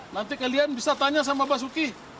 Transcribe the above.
nanti kalian bisa tanya sama basuki